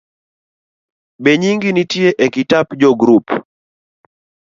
Benyingi nitie e kitap jo grup?